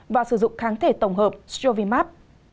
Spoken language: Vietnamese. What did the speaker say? và sử dụng kháng thể tổng hợp strovimab